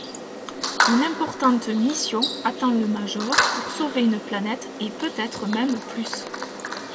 Une importante mission attend le Major pour sauver une planète et peut-être même plus.